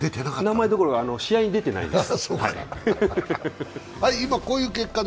名前どころか試合に出てないです。